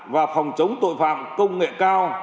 và phòng chống tội phạm công nghệ cao